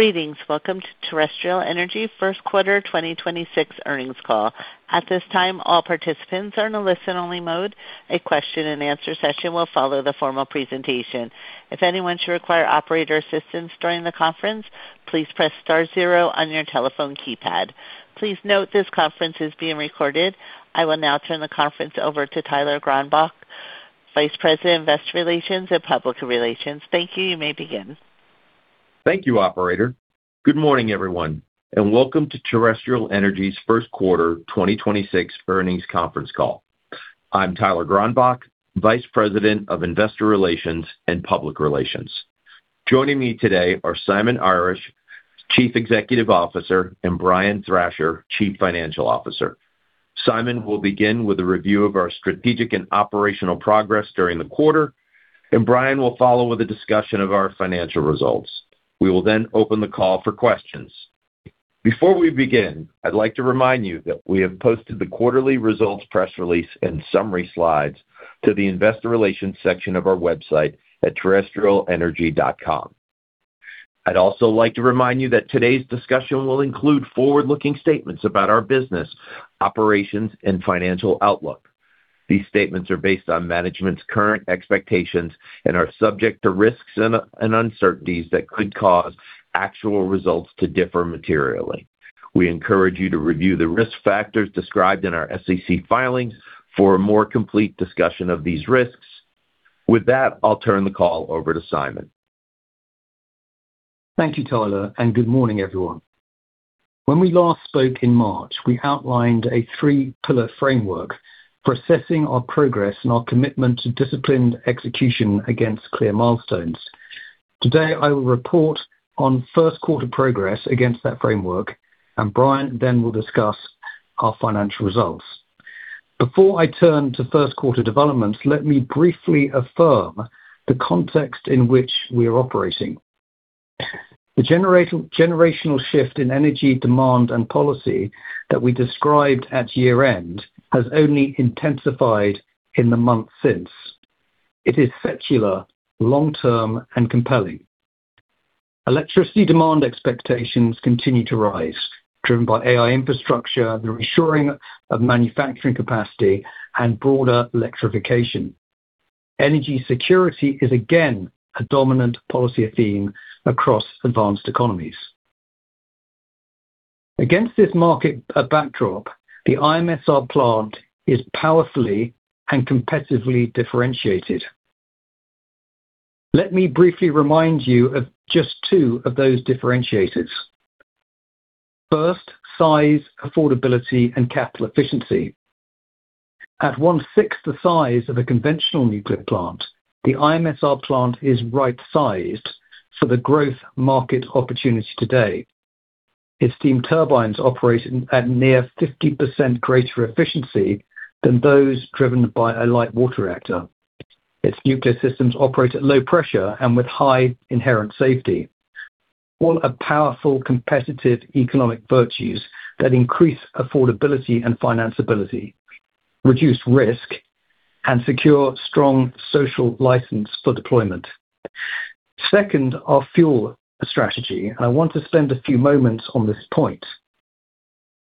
Greetings. Welcome to Terrestrial Energy First Quarter 2026 Earnings Call. At this time, all participants are in a listen-only mode. A question-and-answer session will follow the formal presentation. If anyone should require operator assistance during the conference, please press star zero on your telephone keypad. Please note this conference is being recorded. I will now turn the conference over to Tyler Gronbach, Vice President, Investor Relations and Public Relations. Thank you. You may begin. Thank you, operator. Good morning, everyone, and welcome to Terrestrial Energy's first quarter 2026 earnings conference call. I'm Tyler Gronbach, Vice President of Investor Relations and Public Relations. Joining me today are Simon Irish, Chief Executive Officer, and Brian Thrasher, Chief Financial Officer. Simon will begin with a review of our strategic and operational progress during the quarter, and Brian will follow with a discussion of our financial results. We will then open the call for questions. Before we begin, I'd like to remind you that we have posted the quarterly results, press release, and summary slides to the investor relations section of our website at terrestrialenergy.com. I'd also like to remind you that today's discussion will include forward-looking statements about our business, operations, and financial outlook. These statements are based on management's current expectations and are subject to risks and uncertainties that could cause actual results to differ materially. We encourage you to review the risk factors described in our SEC filings for a more complete discussion of these risks. With that, I'll turn the call over to Simon. Thank you, Tyler, good morning, everyone. When we last spoke in March, we outlined a three-pillar framework for assessing our progress and our commitment to disciplined execution against clear milestones. Today, I will report on first quarter progress against that framework. Brian will discuss our financial results. Before I turn to first quarter developments, let me briefly affirm the context in which we are operating. The generational shift in energy demand and policy that we described at year-end has only intensified in the months since. It is secular, long-term, and compelling. Electricity demand expectations continue to rise, driven by AI infrastructure, the reshoring of manufacturing capacity, and broader electrification. Energy security is again a dominant policy theme across advanced economies. Against this market backdrop, the IMSR plant is powerfully and competitively differentiated. Let me briefly remind you of just two of those differentiators. First, size, affordability, and capital efficiency. At one-sixth the size of a conventional nuclear plant, the IMSR plant is right-sized for the growth market opportunity today. Its steam turbines operate at near 50% greater efficiency than those driven by a light water reactor. Its nuclear systems operate at low pressure and with high inherent safety. All are powerful competitive economic virtues that increase affordability and financeability, reduce risk, and secure strong social license for deployment. Second, our fuel strategy. I want to spend a few moments on this point.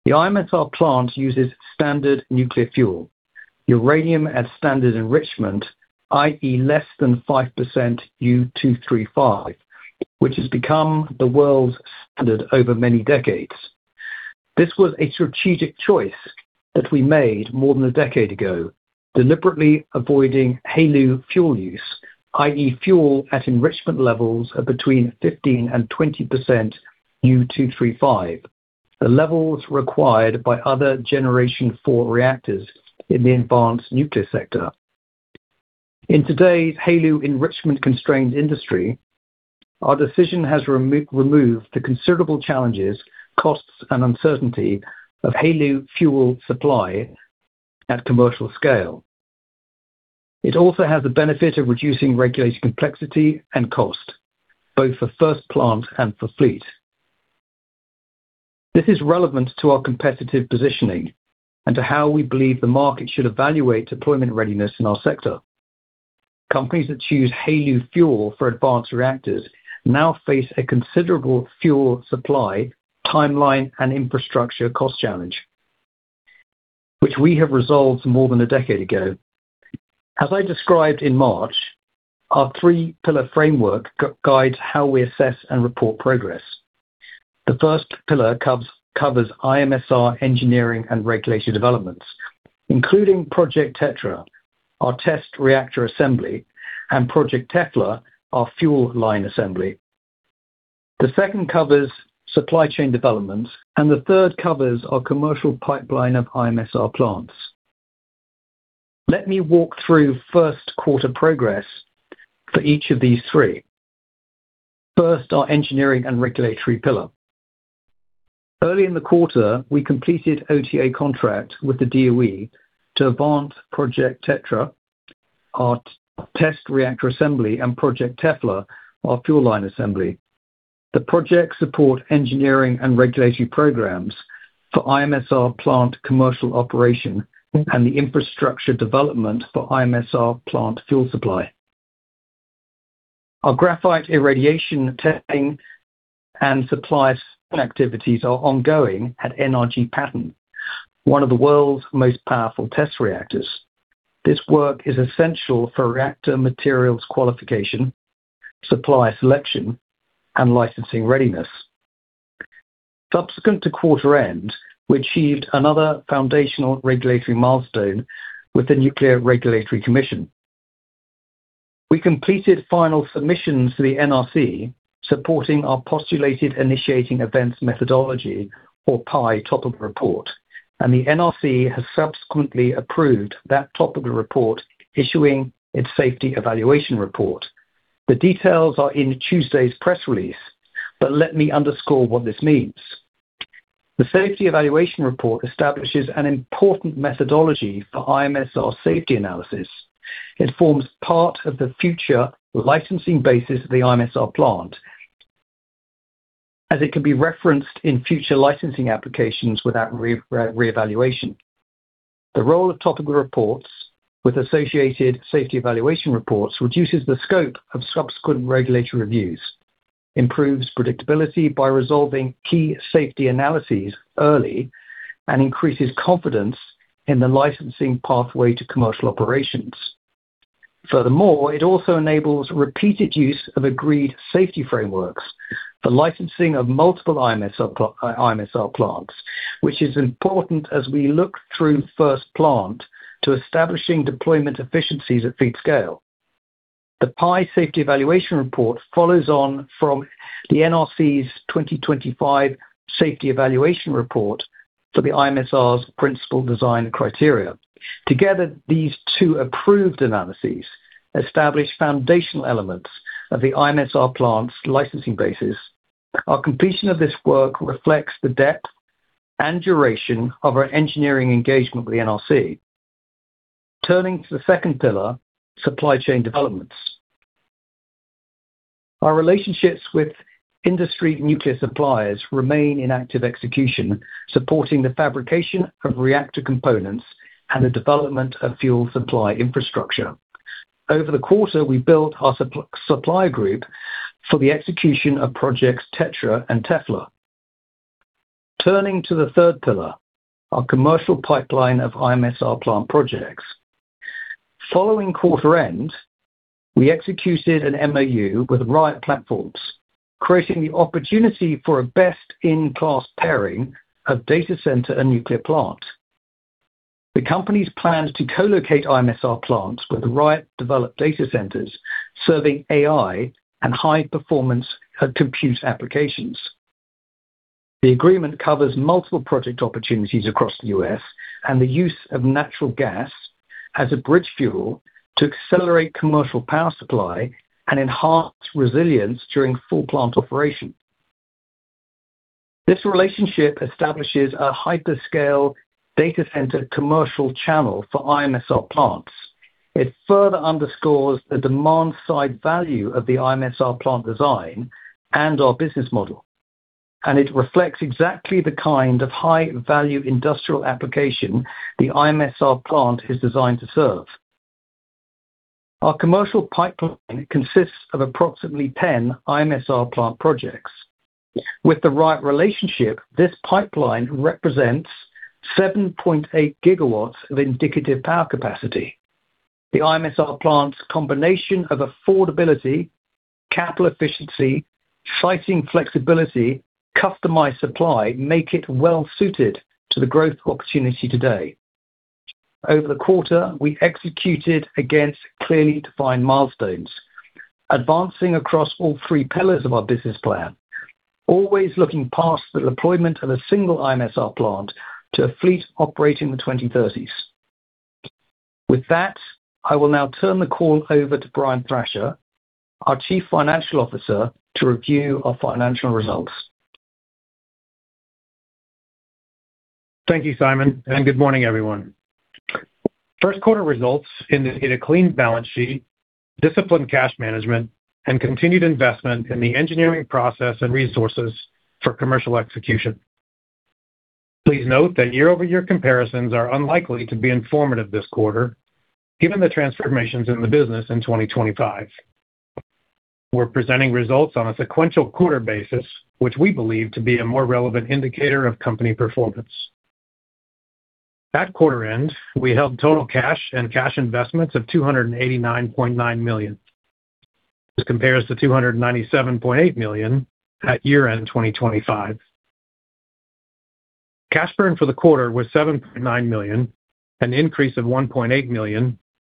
The IMSR plant uses standard nuclear fuel, uranium at standard enrichment, i.e, less than 5% U-235, which has become the world standard over many decades. This was a strategic choice that we made more than a decade ago, deliberately avoiding HALEU fuel use, i.e, fuel at enrichment levels of between 15% and 20% U-235. The levels required by other Generation IV reactors in the advanced nuclear sector. In today's HALEU enrichment-constrained industry, our decision has removed the considerable challenges, costs, and uncertainty of HALEU fuel supply at commercial scale. It also has the benefit of reducing regulatory complexity and cost, both for first plant and for fleet. This is relevant to our competitive positioning and to how we believe the market should evaluate deployment readiness in our sector. Companies that choose HALEU fuel for advanced reactors now face a considerable fuel supply, timeline, and infrastructure cost challenge, which we have resolved more than a decade ago. As I described in March, our three-pillar framework guides how we assess and report progress. The first pillar covers IMSR engineering and regulatory developments, including Project TETRA, our test reactor assembly, and Project TEFLA, our fuel line assembly. The second covers supply chain developments, and the third covers our commercial pipeline of IMSR plants. Let me walk through first quarter progress for each of these three. First, our engineering and regulatory pillar. Early in the quarter, we completed OTA contract with the DOE to advance Project TETRA, our test reactor assembly, and Project TEFLA, our fuel line assembly. The projects support engineering and regulatory programs for IMSR plant commercial operation and the infrastructure development for IMSR plant fuel supply. Our graphite irradiation testing and supply activities are ongoing at NRG Petten, one of the world's most powerful test reactors. This work is essential for reactor materials qualification, supply selection, and licensing readiness. Subsequent to quarter end, we achieved another foundational regulatory milestone with the Nuclear Regulatory Commission. We completed final submissions to the NRC supporting our postulated initiating events methodology or PIE Topical Report. The NRC has subsequently approved that Topical Report issuing its Safety Evaluation Report. The details are in Tuesday's press release. Let me underscore what this means. The Safety Evaluation Report establishes an important methodology for IMSR safety analysis. It forms part of the future licensing basis of the IMSR plant, as it can be referenced in future licensing applications without re-evaluation. The role of Topical Reports with associated Safety Evaluation Reports reduces the scope of subsequent regulatory reviews, improves predictability by resolving key safety analyses early, and increases confidence in the licensing pathway to commercial operations. It also enables repeated use of agreed safety frameworks for licensing of multiple IMSR plants, which is important as we look through first plant to establishing deployment efficiencies at fleet scale. The PI safety evaluation report follows on from the NRC's 2025 safety evaluation report for the IMSR's Principal Design Criteria. Together, these two approved analyses establish foundational elements of the IMSR plant's licensing basis. Our completion of this work reflects the depth and duration of our engineering engagement with the NRC. Turning to the second pillar, supply chain developments. Our relationships with industry nuclear suppliers remain in active execution, supporting the fabrication of reactor components and the development of fuel supply infrastructure. Over the quarter, we built our supply group for the execution of Project TETRA and Project TEFLA. Turning to the third pillar, our commercial pipeline of IMSR plant projects. Following quarter end, we executed an MOU with Riot Platforms, creating the opportunity for a best-in-class pairing of data center and nuclear plant. The company's plans to co-locate IMSR plants with Riot-developed data centers serving AI and high-performance compute applications. The agreement covers multiple project opportunities across the U.S. and the use of natural gas as a bridge fuel to accelerate commercial power supply and enhance resilience during full plant operation. This relationship establishes a hyperscale data center commercial channel for IMSR plants. It further underscores the demand-side value of the IMSR plant design and our business model. It reflects exactly the kind of high-value industrial application the IMSR plant is designed to serve. Our commercial pipeline consists of approximately 10 IMSR plant projects. With the right relationship, this pipeline represents 7.8 GW of indicative power capacity. The IMSR plant's combination of affordability, capital efficiency, siting flexibility, customized supply make it well-suited to the growth opportunity today. Over the quarter, we executed against clearly defined milestones, advancing across all three pillars of our business plan, always looking past the deployment of a single IMSR plant to a fleet operating the 2030s. I will now turn the call over to Brian Thrasher, our Chief Financial Officer, to review our financial results. Thank you, Simon, and good morning, everyone. First quarter results indicate a clean balance sheet, disciplined cash management, and continued investment in the engineering process and resources for commercial execution. Please note that year-over-year comparisons are unlikely to be informative this quarter, given the transformations in the business in 2025. We're presenting results on a sequential quarter basis, which we believe to be a more relevant indicator of company performance. At quarter end, we held total cash and cash investments of 289.9 million. This compares to 297.8 million at year-end 2025. Cash burn for the quarter was 7.9 million, an increase of 1.8 million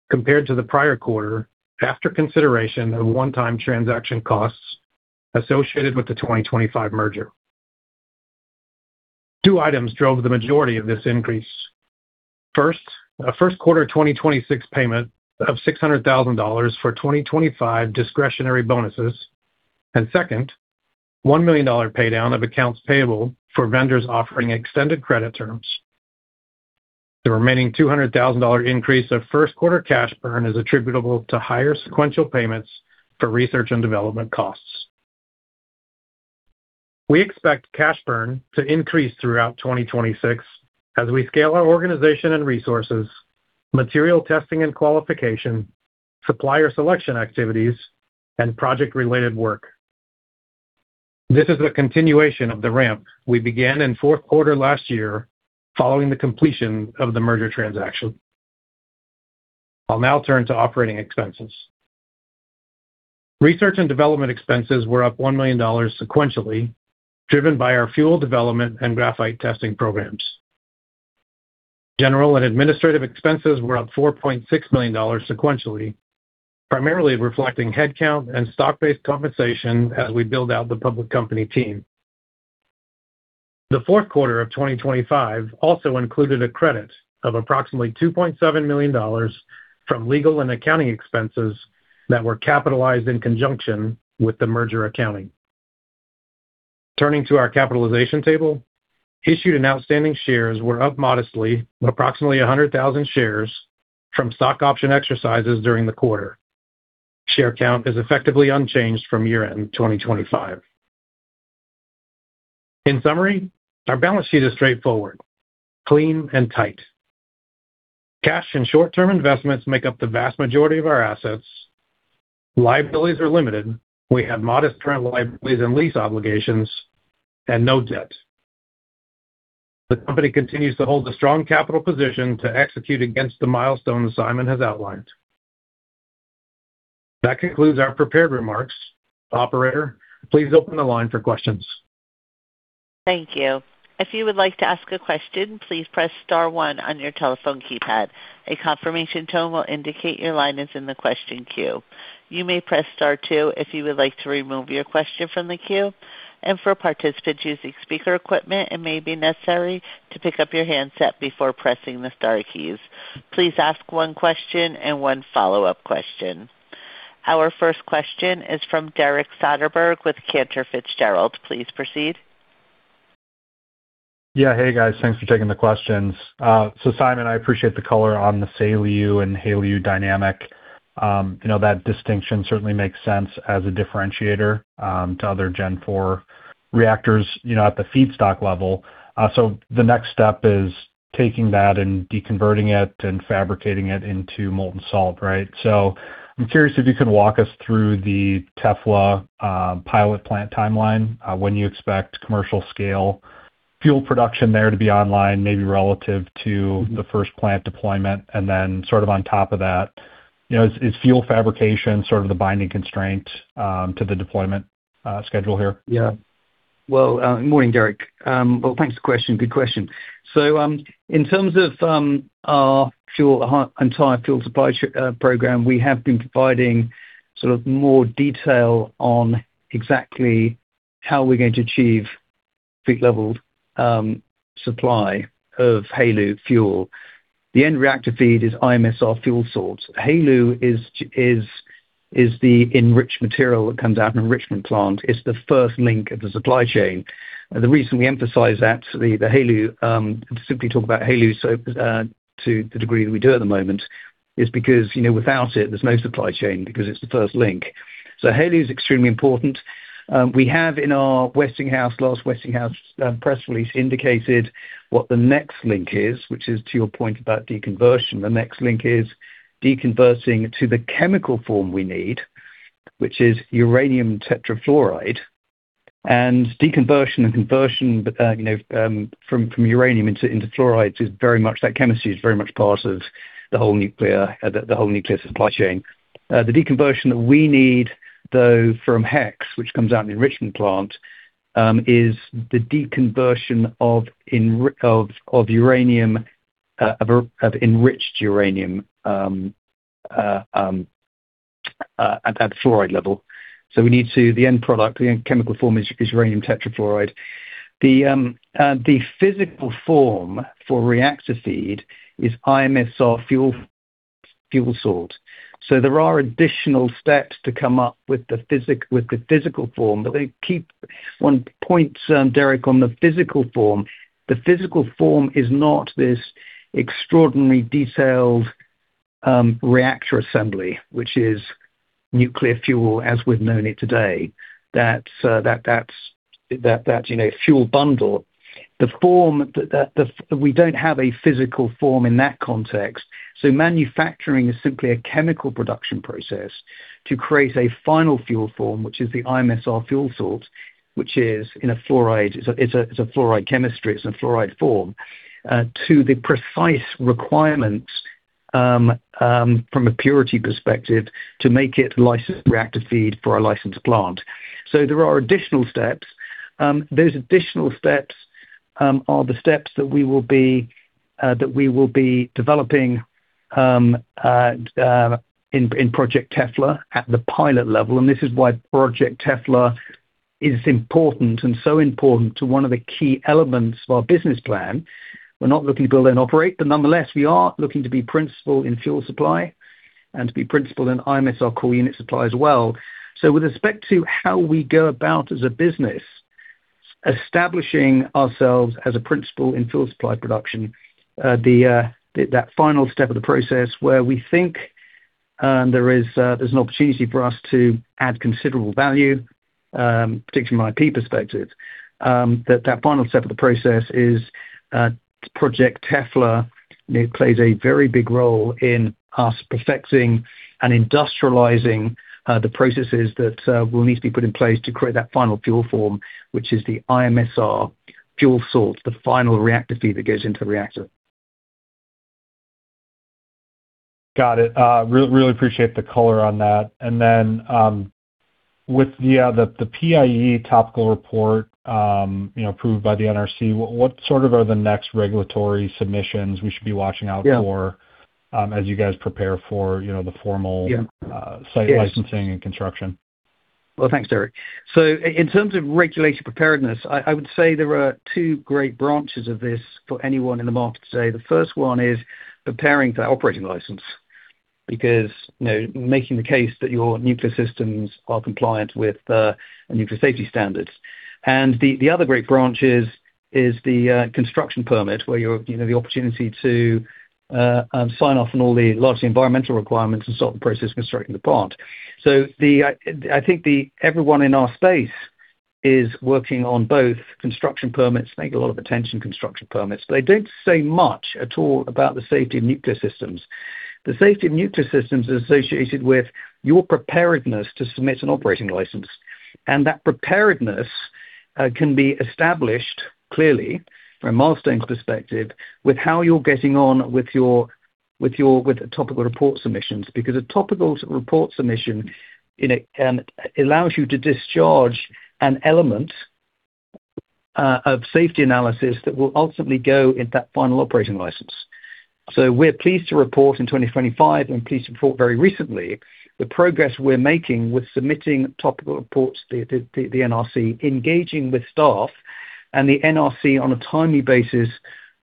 compared to the prior quarter, after consideration of one-time transaction costs associated with the 2025 merger. Two items drove the majority of this increase. A first quarter 2026 payment of $600,000 for 2025 discretionary bonuses. Second, $1 million pay down of accounts payable for vendors offering extended credit terms. The remaining $200,000 increase of first quarter cash burn is attributable to higher sequential payments for research and development costs. We expect cash burn to increase throughout 2026 as we scale our organization and resources, material testing and qualification, supplier selection activities, and project-related work. This is a continuation of the ramp we began in fourth quarter last year following the completion of the merger transaction. I'll now turn to operating expenses. Research and development expenses were up $1 million sequentially, driven by our fuel development and graphite testing programs. General and Administrative expenses were up 4.6 million dollars sequentially, primarily reflecting headcount and stock-based compensation as we build out the public company team. The fourth quarter of 2025 also included a credit of approximately 2.7 million dollars from legal and accounting expenses that were capitalized in conjunction with the merger accounting. Turning to our capitalization table, issued and outstanding shares were up modestly at approximately 100,000 shares from stock option exercises during the quarter. Share count is effectively unchanged from year-end 2025. In summary, our balance sheet is straightforward, clean and tight. Cash and short-term investments make up the vast majority of our assets. Liabilities are limited. We have modest current liabilities and lease obligations and no debt. The company continues to hold a strong capital position to execute against the milestone that Simon has outlined. That concludes our prepared remarks. Operator, please open the line for questions. Thank you. If you would like to ask a question, please press star one on your telephone keypad. A confirmation tone will indicate your line is in the question queue. You may press star two if you would like to remove your question from the queue. For participants using speaker equipment, it may be necessary to pick up your handset before pressing the star keys. Please ask one question and one follow-up question. Our first question is from Derek Soderberg with Cantor Fitzgerald. Please proceed. Yeah. Hey, guys. Thanks for taking the questions. Simon, I appreciate the color on the SALEU and HALEU dynamic. You know that distinction certainly makes sense as a differentiator, to other Generation IV reactors, you know, at the feedstock level. The next step is taking that and deconverting it and fabricating it into molten salt, right? I'm curious if you can walk us through the TEFLA pilot plant timeline, when you expect commercial scale fuel production there to be online, maybe relative to the first plant deployment. You know, is fuel fabrication sort of the binding constraint to the deployment schedule here? Good morning, Derek. Thanks for the question. Good question. In terms of our entire fuel supply program, we have been providing sort of more detail on exactly how we're going to achieve fleet level supply of HALEU fuel. The end reactor feed is IMSR fuel salt. HALEU is the enriched material that comes out of an enrichment plant. It's the first link of the supply chain. The reason we emphasize that, the HALEU, simply talk about HALEU, to the degree that we do at the moment, is because, you know, without it, there's no supply chain because it's the first link. HALEU is extremely important. We have in our Westinghouse press release indicated what the next link is, which is to your point about deconversion. The next link is deconverting to the chemical form we need, which is uranium tetrafluoride. Deconversion and conversion from uranium into fluorides, that chemistry is very much part of the whole nuclear supply chain. The deconversion that we need, though, from Hex, which comes out in the enrichment plant, is the deconversion of uranium of enriched uranium at fluoride level. We need to the end product, the end chemical form is uranium tetrafluoride. The physical form for reactor feed is IMSR fuel salt. There are additional steps to come up with the physical form, but one point, Derek, on the physical form. The physical form is not this extraordinary detailed reactor assembly, which is nuclear fuel as we've known it today. That, you know, fuel bundle. The form we don't have a physical form in that context. Manufacturing is simply a chemical production process to create a final fuel form, which is the IMSR fuel salt, which is in a fluoride. It's a fluoride chemistry, it's a fluoride form to the precise requirements from a purity perspective to make it licensed reactor feed for a licensed plant. There are additional steps. Those additional steps are the steps that we will be developing in Project TEFLA at the pilot level. This is why Project TEFLA is important and so important to one of the key elements of our business plan. We're not looking to build and operate, but nonetheless, we are looking to be principal in fuel supply and to be principal in IMSR Core-unit supply as well. With respect to how we go about as a business-Establishing ourselves as a principal in fuel supply production, the final step of the process where we think there's an opportunity for us to add considerable value, particularly from an IP perspective. That final step of the process is Project TEFLA. It plays a very big role in us perfecting and industrializing the processes that will need to be put in place to create that final fuel form, which is the IMSR fuel salt, the final reactivity that goes into the reactor. Got it. Really appreciate the color on that. With the PIE Topical Report, you know, approved by the NRC, what sort of are the next regulatory submissions we should be watching out for? As you guys prepare for, you know, site licensing and construction? Well, thanks, Derek. In terms of regulatory preparedness, I would say there are two great branches of this for anyone in the market today. The first one is preparing for operating license because, you know, making the case that your nuclear systems are compliant with nuclear safety standards. The other great branch is the construction permit where you have, you know, the opportunity to sign off on all the large environmental requirements and start the process of constructing the plant. I think everyone in our space is working on both construction permits, getting a lot of attention construction permits. They don't say much at all about the safety of nuclear systems. The safety of nuclear systems is associated with your preparedness to submit an operating license. That preparedness can be established clearly from a milestone perspective with how you're getting on with your Topical Report submissions. A Topical Report submission in a allows you to discharge an element of safety analysis that will ultimately go into that final operating license. We're pleased to report in 2025 and pleased to report very recently the progress we're making with submitting Topical Reports to the NRC, engaging with staff and the NRC on a timely basis,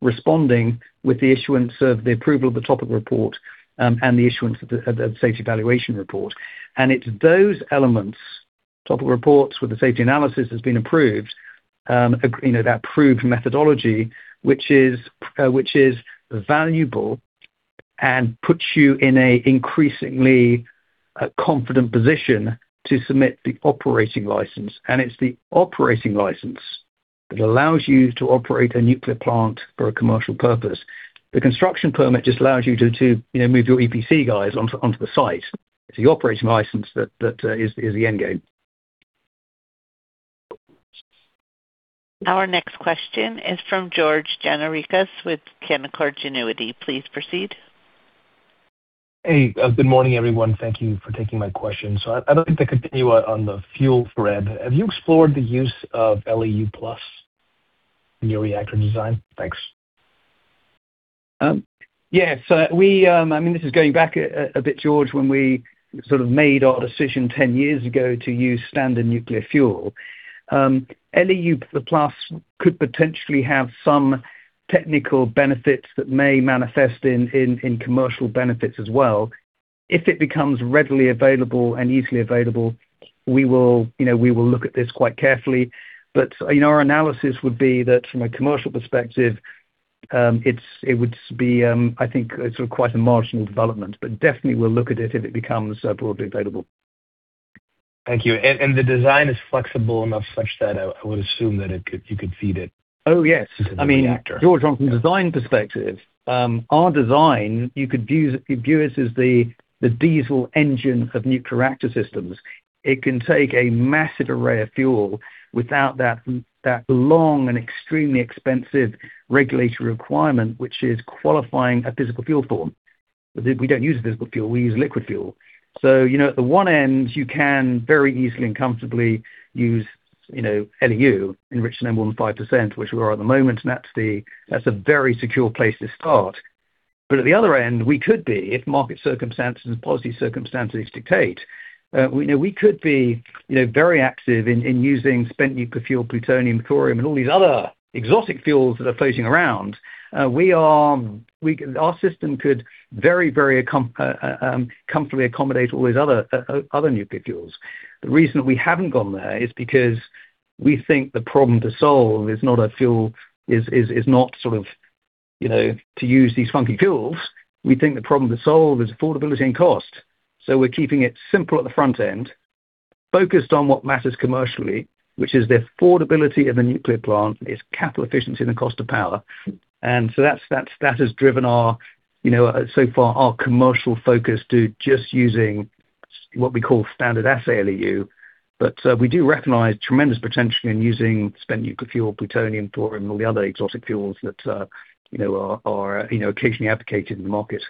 responding with the issuance of the approval of the Topical Report and the issuance of the Safety Evaluation Report. It's those elements, Topical Reports where the safety analysis has been approved, you know, that approved methodology which is valuable and puts you in a increasingly confident position to submit the operating license. It's the operating license that allows you to operate a nuclear plant for a commercial purpose. The construction permit just allows you to, you know, move your EPC guys onto the site. It's the operating license that is the end game. Our next question is from George Gianarikas with Canaccord Genuity. Please proceed. Hey, good morning, everyone. Thank you for taking my question. I'd like to continue on the fuel thread. Have you explored the use of LEU+ in your reactor design? Thanks. Yeah. We, I mean, this is going back a bit, George, when we sort of made our decision 10 years ago to use standard nuclear fuel. LEU+ could potentially have some technical benefits that may manifest in commercial benefits as well. If it becomes readily available and easily available, we will, you know, we will look at this quite carefully. You know, our analysis would be that from a commercial perspective, it would be, I think sort of quite a marginal development. Definitely we'll look at it if it becomes broadly available. Thank you. The design is flexible enough such that I would assume that you could feed it into the reactor. Oh, yes. I mean, George, from a design perspective, our design, you could view us as the diesel engine of nuclear reactor systems. It can take a massive array of fuel without that long and extremely expensive regulatory requirement, which is qualifying a physical fuel form. We don't use a physical fuel, we use liquid fuel. You know, at the one end you can very easily and comfortably use, you know, LEU, enriched to no more than 5%, which we are at the moment. That's a very secure place to start. At the other end we could be, if market circumstances and policy circumstances dictate, you know, we could be, you know, very active in using spent nuclear fuel, plutonium, thorium, and all these other exotic fuels that are floating around. Our system could very, very comfortably accommodate all these other nuclear fuels. The reason we haven't gone there is because we think the problem to solve is not a fuel, is not sort of, you know, to use these funky fuels. We think the problem to solve is affordability and cost. We're keeping it simple at the front end, focused on what matters commercially, which is the affordability of a nuclear plant, its capital efficiency, and the cost of power. That has driven our, you know, so far our commercial focus to just using what we call standard-assay LEU. We do recognize tremendous potential in using spent nuclear fuel, plutonium, thorium, and all the other exotic fuels that, you know, are, you know, occasionally advocated in the market.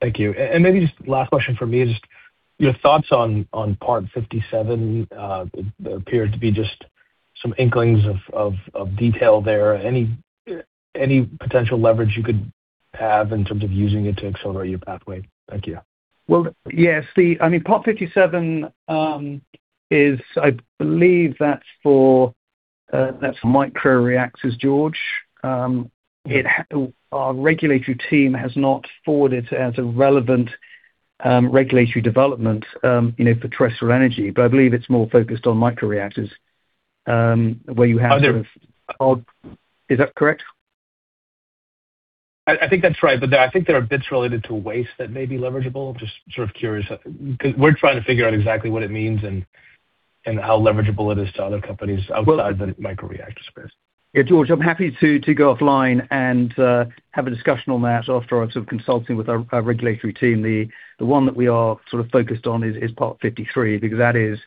Thank you. Maybe just last question from me is just your thoughts on Part 57. There appeared to be just some inklings of detail there. Any potential leverage you could have in terms of using it to accelerate your pathway? Thank you. Well, yes, I mean, Part 57, I believe that's for, that's for microreactors, George. Our regulatory team has not forwarded as a relevant regulatory development, you know, for Terrestrial Energy, but I believe it's more focused on microreactors. Is that correct? I think that's right, but I think there are bits related to waste that may be leverageable. Just sort of curious. 'Cause we're trying to figure out exactly what it means and how leverageable it is to other companies outside the microreactor space. Yeah, George, I'm happy to go offline and have a discussion on that after I've sort of consulted with our regulatory team. The one that we are sort of focused on is Part 53, because that is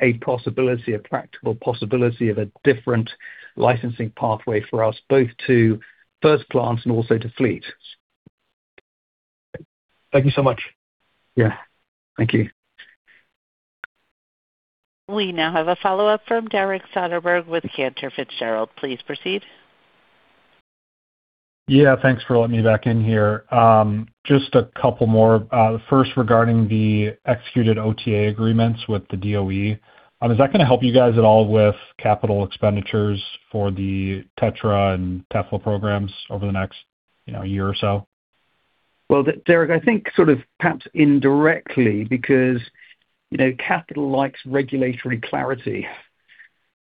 a possibility, a practical possibility of a different licensing pathway for us both to first plants and also to fleet. Thank you so much. Yeah. Thank you. We now have a follow-up from Derek Soderberg with Cantor Fitzgerald. Please proceed. Yeah, thanks for letting me back in here. Just a couple more. First regarding the executed OTA agreements with the DOE, is that gonna help you guys at all with capital expenditures for the TETRA and TEFLA programs over the next, you know, year or so? Well, Derek, I think sort of perhaps indirectly, because, you know, capital likes regulatory clarity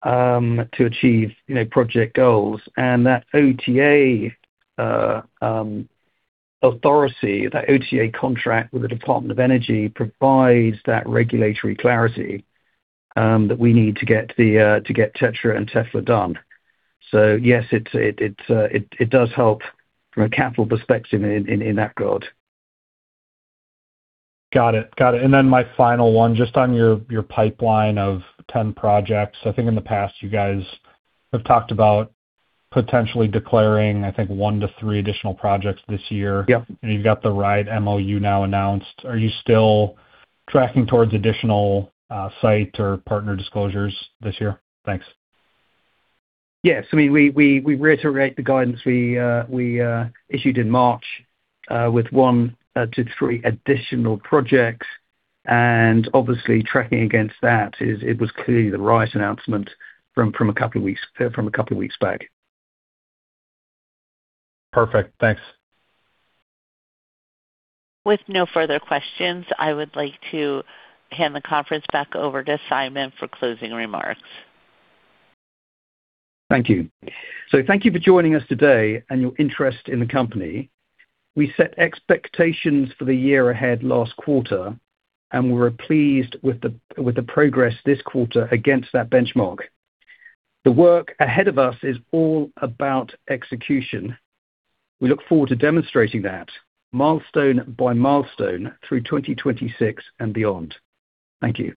to achieve, you know, project goals. That OTA authority, that OTA contract with the Department of Energy provides that regulatory clarity that we need to get TETRA and TEFLA done. Yes, it's, it does help from a capital perspective in that regard. Got it. Got it. My final one, just on your pipeline of 10 projects. I think in the past you guys have talked about potentially declaring, I think, one to three additional projects this year. Yeah. You've got the right MOU now announced. Are you still tracking towards additional site or partner disclosures this year? Thanks. Yes. I mean, we reiterate the guidance we issued in March with one to three additional projects. Obviously tracking against that is it was clearly the right announcement from a couple of weeks back. Perfect. Thanks. With no further questions, I would like to hand the conference back over to Simon for closing remarks. Thank you. Thank you for joining us today and your interest in the company. We set expectations for the year ahead last quarter, and we're pleased with the progress this quarter against that benchmark. The work ahead of us is all about execution. We look forward to demonstrating that milestone by milestone through 2026 and beyond. Thank you.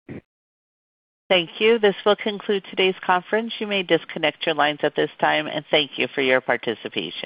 Thank you. This will conclude today's conference. You may disconnect your lines at this time, and thank you for your participation.